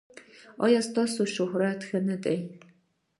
ایا ستاسو شهرت ښه نه دی؟